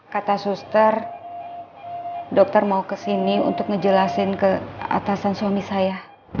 kata suster dokter dokter mau kesini untuk ngejelasin ke atasan suami saya